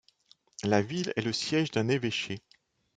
La ville est le siège d'un évêché.